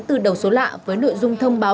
từ đầu số lạ với nội dung thông báo